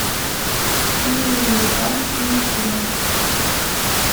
D tin i yi-yeḍṣan i d i yi-yesrun.